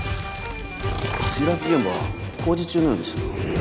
墜落現場は工事中のようでしたが？